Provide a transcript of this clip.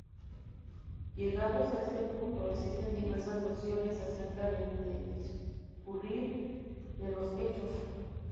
Llegados a este punto, existen diversas versiones acerca del discurrir de los hechos.